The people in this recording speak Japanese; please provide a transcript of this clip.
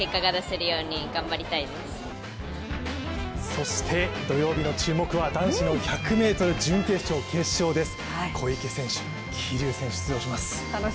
そして、土曜日の注目は男子の１００ｍ準決勝、決勝です。